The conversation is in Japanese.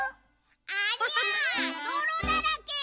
ありゃどろだらけ！